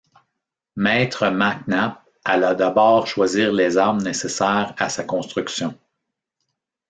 Maître Mac Nap alla d’abord choisir les arbres nécessaires à sa construction.